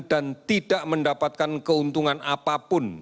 dan tidak mendapatkan keuntungan apapun